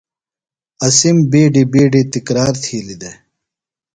اسِم بِیڈیۡ بِیڈیۡ تِکرار تِھیلیۡ دےۡ۔